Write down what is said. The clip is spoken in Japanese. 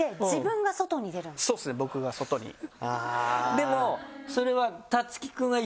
でもそれは。